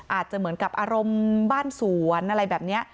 อาจจะเหมือนกับอารมณ์บ้านสวนอะไรแบบนี้